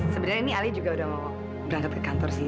sebenarnya ini ali juga udah mau berangkat ke kantor sih